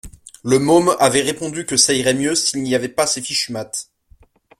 Le môme avait répondu que ça irait mieux s’il n’y avait pas ces fichues maths